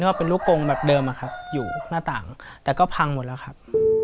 ก็เป็นลูกกงแบบเดิมอะครับอยู่หน้าต่างแต่ก็พังหมดแล้วครับ